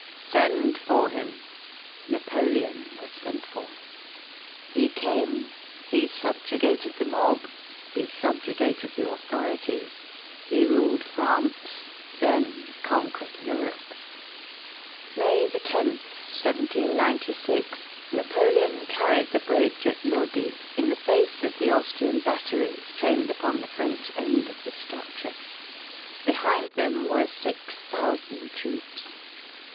"Send for him." Napoleon was sent for; he came, he subjugated the mob, he subjugated the authorities, he ruled France, then conquered Europe. May 10, 1796, Napoleon carried the bridge at Lodi, in the face of the Austrian batteries, trained upon the French end of the structure. Behind them were six thousand troops.